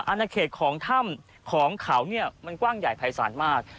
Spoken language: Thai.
ณเขตของถ้ำของเขาเนี่ยมันกว้างใหญ่ภายศาลมาก